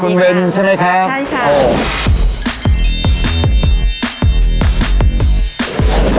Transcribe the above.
คุณเบนใช่ไหมครับใช่ค่ะ